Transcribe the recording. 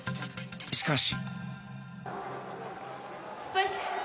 しかし。